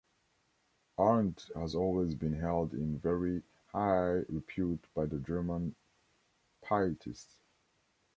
Arndt has always been held in very high repute by the German Pietists.